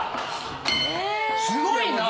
すごいな！